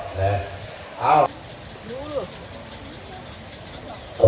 เมื่อ